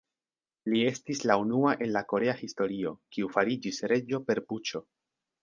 Li estis la unua en la korea historio, kiu fariĝis reĝo per puĉo.